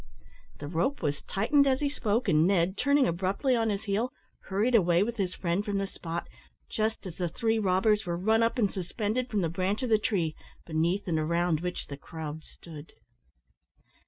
The rope was tightened as he spoke, and Ned, turning abruptly on his heel, hurried away with his friend from the spot just as the three robbers were run up and suspended from the branch of the tree, beneath and around which the crowd stood.